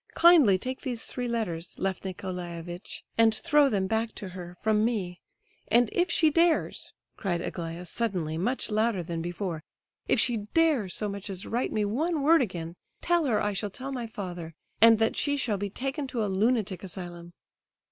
Kindly take these three letters, Lef Nicolaievitch, and throw them back to her, from me. And if she dares," cried Aglaya suddenly, much louder than before, "if she dares so much as write me one word again, tell her I shall tell my father, and that she shall be taken to a lunatic asylum."